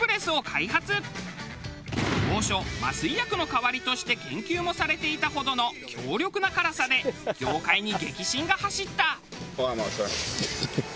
当初麻酔薬の代わりとして研究もされていたほどの強力な辛さで業界に激震が走った。